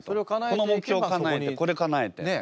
この目標かなえてこれかなえて。